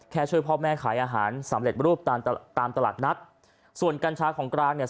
ช่วยพ่อแม่ขายอาหารสำเร็จรูปตามตามตลาดนัดส่วนกัญชาของกลางเนี่ย